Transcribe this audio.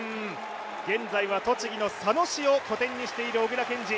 現在は栃木の佐野市を拠点にしている小椋健司。